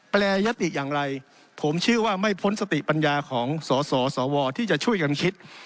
แปรยติอย่างไรผมเชื่อว่าไม่พ้นสติปัญญาของสสวที่จะช่วยกันคิด